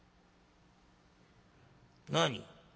「何？